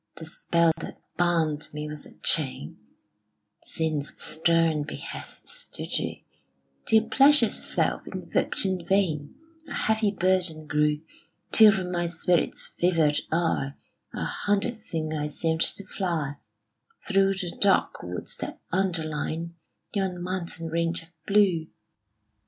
The spells that bound me with a chain, Sin's stern behests to do, Till Pleasure's self, invoked in vain, A heavy burden grew Till from my spirit's fevered eye, A hunted thing, I seemed to fly Through the dark woods that underlie Yon mountain range of blue.